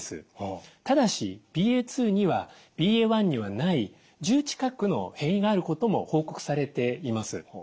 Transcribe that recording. ただしＢＡ．２にはＢＡ．１にはない１０近くの変異があることも報告されています。